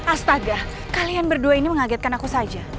astaga kalian berdua ini mengagetkan aku saja